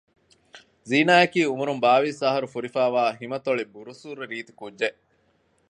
ޒީނާއަކީ އުމުރުން ބާވީސް އަހަރު ފުރިފައިވާ ހިމަތޮޅި ބުރުސޫރަ ރީތި ކުއްޖެއް